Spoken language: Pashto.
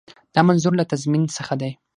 دا منظور له تضمین څخه دی.